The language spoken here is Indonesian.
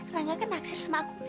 rangga kan aksir sama aku